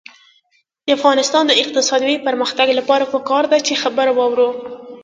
د افغانستان د اقتصادي پرمختګ لپاره پکار ده چې خبره واورو.